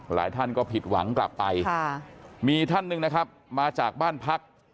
หลายท่านก็ผิดหวังกลับไปมีท่านหนึ่งนะครับมาจากบ้านพัก